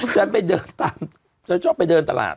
ฉันไปเดินตามฉันชอบไปเดินตลาด